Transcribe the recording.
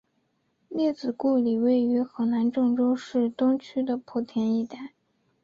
列子故里位于河南郑州市东区的圃田一带。